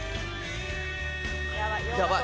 やばい。